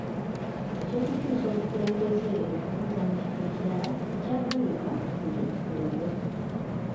Eky'okukyusa omukulembeze okumuzza mu kifo ekirala tekyagalibwa buli omu.